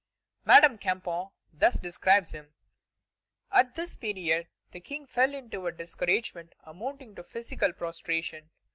Madame Campan thus describes him: "At this period the King fell into a discouragement amounting to physical prostration.